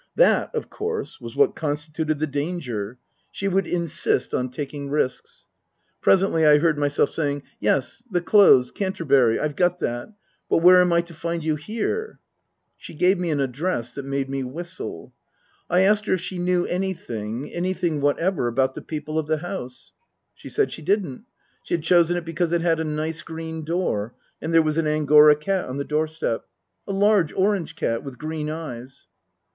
That, of course, was what constituted the danger. She would insist on taking risks. Presently I heard myself saying, " Yes, the Close, Canterbury. I've got that. But where am I to find you here ?" She gave me an address that made me whistle. I asked her if she knew anything, anything whatever, about the people of the house ? She said she didn't. She had chosen it because it had a nice green door, and there was an Angora cat on the door step. A large orange cat with green eyes.